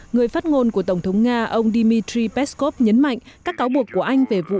người phát ngôn của tổng thống nga ông dmitry peskov nhấn mạnh các cáo buộc của anh về vụ